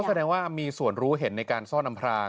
แสดงว่ามีส่วนรู้เห็นในการซ่อนอำพราง